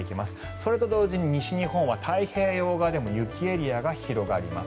それと同時に西日本は太平洋側でも雪エリアが広がります。